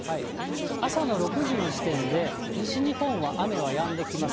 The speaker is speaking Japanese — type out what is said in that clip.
朝の６時の時点で、西日本は雨はやんできます。